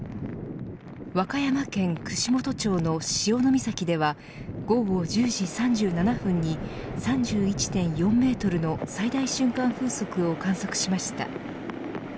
和歌山県串本町の潮岬では午後１０時３７分に３１．４メートルの最大瞬間風速を観測しました。